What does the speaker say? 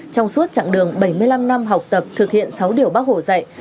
trong suốt chặng đường bảy mươi năm năm học tập thực hiện sáu điều bác hồ dạy